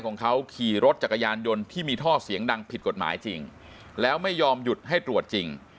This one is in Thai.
ของเขาขี่รถจักรยานยนต์ที่มีท่อเสียงดังผิดกฎหมายจริงแล้วไม่ยอมหยุดให้ตรวจจริง